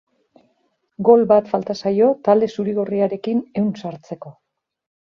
Gol bat falta zaio talde zurigorriarekin ehun sartzeko.